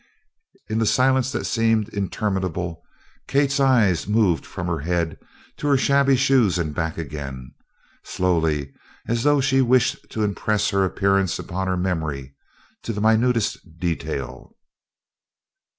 In the silence that seemed interminable, Kate's eyes moved from her head to her shabby shoes and back again, slowly, as though she wished to impress her appearance upon her memory, to the minutest detail.